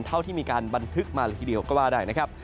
เท่าที่มีการบันทึกมาเลยทีเดียวก็ว่าได้นะครับ